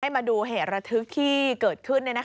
มาดูเหตุระทึกที่เกิดขึ้น